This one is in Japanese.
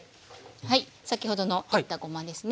はい先ほどの煎ったごまですね。